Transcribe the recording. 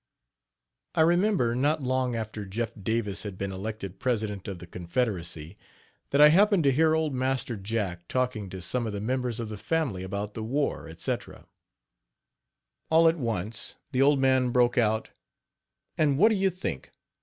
I remember, not long after Jeff Davis had been elected president of the Confederacy, that I happened to hear old Master Jack talking to some of the members of the family about the war, etc. All at once the old man broke out: "And what do you think!